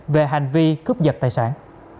về hành vi cướp giật tài sản